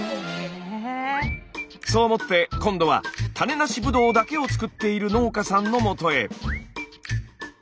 そう思って今度は種なしブドウだけを作っている農家さんのもとへ。